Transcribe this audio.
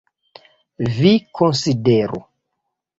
Vi konsideru!